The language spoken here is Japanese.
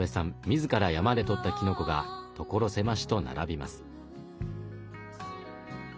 自ら山で採ったきのこが所狭しと並びます。